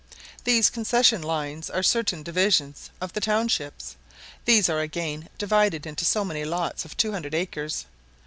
[* These concession lines are certain divisions of the townships; these are again divided into so many lots of 200 acres.